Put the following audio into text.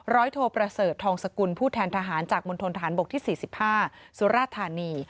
โทประเสริฐทองสกุลผู้แทนทหารจากมณฑนฐานบกที่๔๕สุราธานี